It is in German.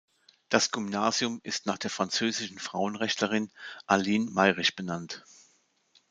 Das Gymnasium ist nach der französischen Frauenrechtlerin Aline Mayrisch benannt.